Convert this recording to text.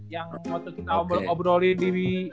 yang waktu kita ngobrolin di